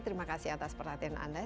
terima kasih atas perhatian anda